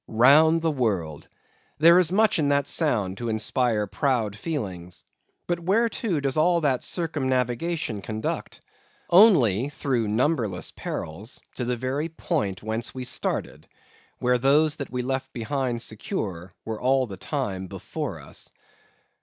Round the world! There is much in that sound to inspire proud feelings; but whereto does all that circumnavigation conduct? Only through numberless perils to the very point whence we started, where those that we left behind secure, were all the time before us.